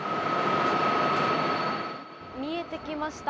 見えてきました。